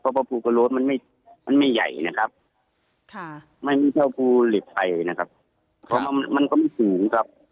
เพราะภูกระโล้มันไม่ใหญ่นะครับไม่มีเท่าภูเหล็กไฟนะครับเพราะมันก็ไม่สูงครับ